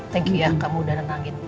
thank you ya kamu udah nenangin